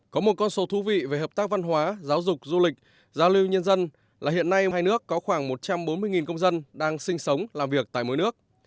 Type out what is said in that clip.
có một con số thú vị về hợp tác văn hóa giáo dục du lịch giao lưu nhân dân là hiện nay hai nước có khoảng một trăm bốn mươi công dân đang sinh sống làm việc tại mỗi nước